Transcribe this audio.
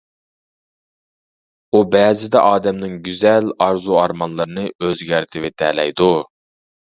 ئۇ بەزىدە ئادەمنىڭ گۈزەل، ئارزۇ-ئارمانلىرىنى ئۆزگەرتىۋېتەلەيدۇ.